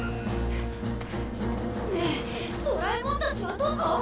ねえドラえもんたちはどこ？